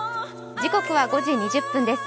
時刻は５時２０分です。